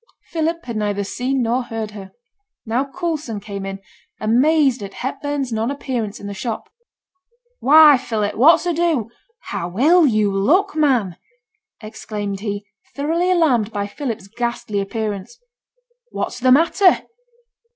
Philip had neither seen nor heard her. Now Coulson came in, amazed at Hepburn's non appearance in the shop. 'Why! Philip, what's ado? How ill yo' look, man!' exclaimed he, thoroughly alarmed by Philip's ghastly appearance. 'What's the matter?'